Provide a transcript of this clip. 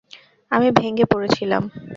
আমি ভেঙে পড়েছিলাম।